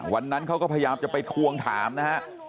วันนั้นเขาก็พยายามจะไปทวงถามนะฮะ